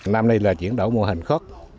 năm nay là chiến đấu mùa hành khốc